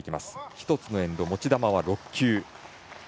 １つのエンド、持ち球は６球。